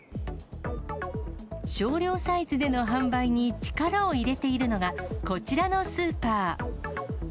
少量サイズでの販売に力を入れているのが、こちらのスーパー。